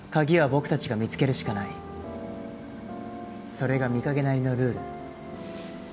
それが美影なりのルール。